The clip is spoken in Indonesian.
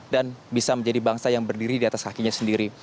dan bisa menjadi bangsa yang berdiri di atas kakinya sendiri